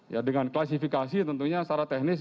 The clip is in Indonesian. ya dengan klasifikasi tentunya secara teknis